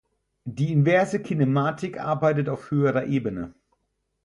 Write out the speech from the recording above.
Die inverse Kinematik arbeitet auf höherer Ebene.